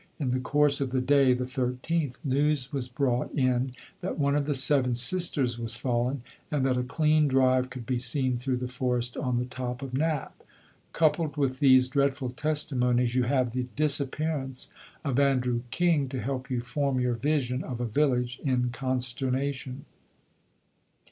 In the course of the day (the 13th) news was brought in that one of the Seven Sisters was fallen, and that a clean drive could be seen through the forest on the top of Knapp. Coupled with these dreadful testimonies you have the disappearance of Andrew King to help you form your vision of a village in consternation.